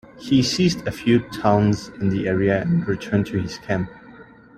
He seized a few towns in the area and returned to his camp.